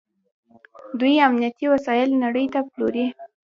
دوی امنیتي وسایل نړۍ ته پلوري.